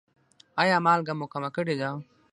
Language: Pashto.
ایا مالګه مو کمه کړې ده؟